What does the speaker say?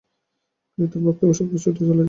তিনি তার বক্তব্য শুনতে ছুটে চলে যান।